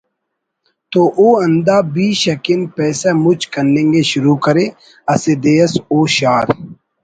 تو او ہندا بیش اکن پیسہ مچ کننگءِ شروع کرے اسہ دے اس او شار